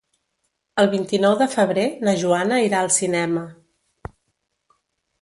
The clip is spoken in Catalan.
El vint-i-nou de febrer na Joana irà al cinema.